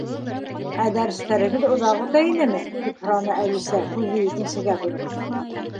—Ә дәрестәрегеҙ оҙаҡ үтә инеме? —тип һораны Әлисә, һүҙҙе икенсегә бороп.